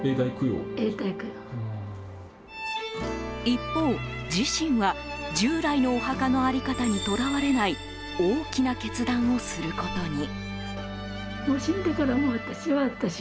一方、自身は従来のお墓の在り方にとらわれない大きな決断をすることに。